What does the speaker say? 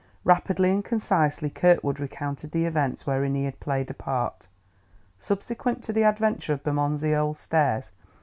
Rapidly and concisely Kirkwood recounted the events wherein he had played a part, subsequent to the adventure of Bermondsey Old Stairs.